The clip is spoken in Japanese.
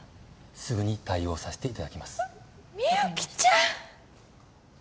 すぐに対応させていただきますみゆきちゃん